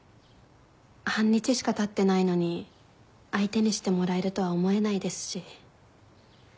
半日しかたってないのに相手にしてもらえるとは思えないですし。